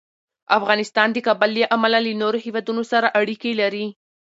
افغانستان د کابل له امله له نورو هېوادونو سره اړیکې لري.